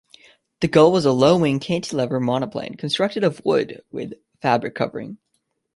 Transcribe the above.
The Gull was a low-wing cantilever monoplane, constructed of wood with fabric covering.